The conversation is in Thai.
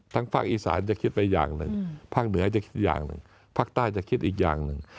ภาคอีสานจะคิดไปอย่างหนึ่งภาคเหนือจะคิดอย่างหนึ่งภาคใต้จะคิดอีกอย่างหนึ่ง